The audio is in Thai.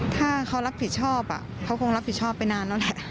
ถ้าเขารับผิดชอบเขาคงรับผิดชอบไปนานแล้วแหละ